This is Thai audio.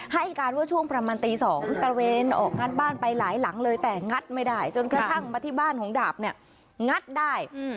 ให้การว่าช่วงประมาณตี๒ตระเวนออกงัดบ้านไปหลายหลังเลยแต่งัดไม่ได้จนกระทั่งมาที่บ้านของดาบเนี่ยงัดได้